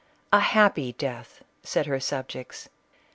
" A happy death !" said her subjects.